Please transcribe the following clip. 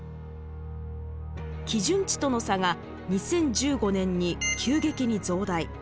基準値との差が２０１５年に急激に増大。